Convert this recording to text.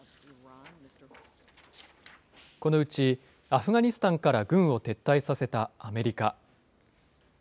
このうちアフガニスタンから軍を撤退させたアメリカ。